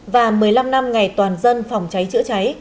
và một mươi năm năm ngày toàn dân phòng cháy chữa cháy